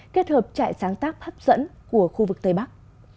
kết hợp trại sáng tác hấp dẫn của khu vực tây bắc